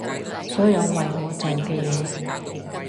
所有為我做嘅嘢